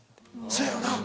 そやよな